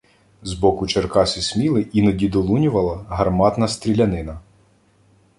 З боку Черкас і Сміли іноді долунювала гарматна стрілянина.